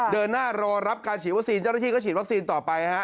เดินหน้ารอรับการฉีดวัคซีนเจ้าหน้าที่ก็ฉีดวัคซีนต่อไปฮะ